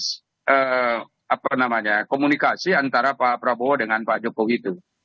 dan kemudian juga perlu ada komunikasi antara pak prabowo dengan pak jokowi itu